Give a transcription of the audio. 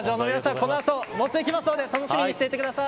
この後持っていくので楽しみにしていてください。